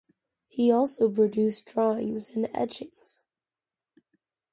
He also produced drawings and etchings.